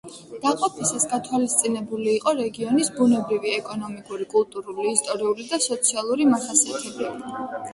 დაყოფისას გათვალისწინებული იყო რეგიონის ბუნებრივი, ეკონომიკური, კულტურული, ისტორიული და სოციალური მახასიათებლები.